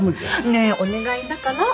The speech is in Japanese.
ねえお願いだから。